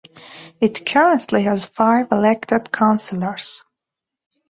It currently has five elected councillors.